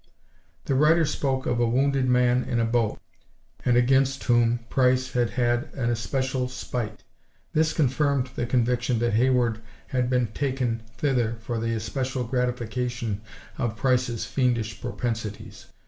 The writer spoke of a wounded man in a boat, and against whom Price had an especial spite. This confirmed the conviction that Hayward had been taken thither for the especial gratification of Price's fiendish propensities.